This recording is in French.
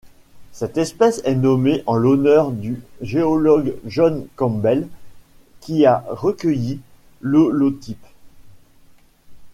Cette espèce est nommée en l'honneur du géologue John Campbell qui a recueilli l'holotype.